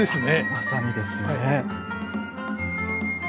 まさにですよね。